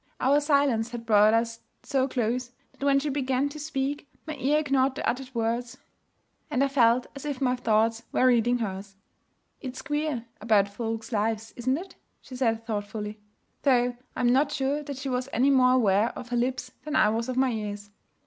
Our silence had brought us so close that when she began to speak, my ear ignored the uttered words and I felt as if my thoughts were reading hers. 'It's queer about folks' lives isn't it?' she said thoughtfully though I am not sure that she was any more aware of her lips than I was of my ears.